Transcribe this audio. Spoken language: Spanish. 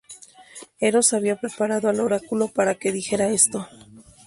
Eros había preparado al oráculo para que dijera esto.